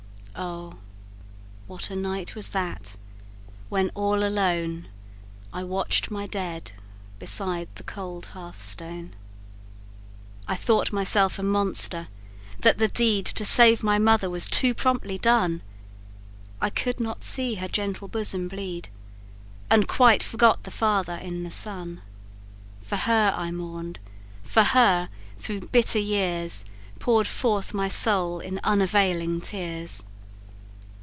Oh, what a night was that! when all alone I watch'd my dead beside the cold hearth stone. I thought myself a monster that the deed To save my mother was too promptly done. I could not see her gentle bosom bleed, And quite forgot the father, in the son; For her I mourn'd for her, through bitter years, Pour'd forth my soul in unavailing tears.